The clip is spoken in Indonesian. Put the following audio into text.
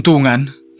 aku sudah mampu mencari